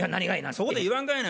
そこで言わんかいな。